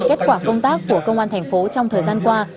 kết quả công tác của công an thành phố trong thời gian qua